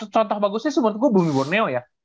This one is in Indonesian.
contoh bagusnya sepertiku bumi borneo ya